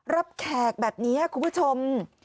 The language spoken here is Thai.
แขกแบบนี้คุณผู้ชม